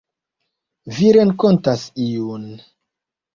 Vi renkontas iun.